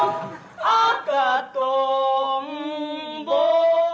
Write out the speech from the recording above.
「赤とんぼ」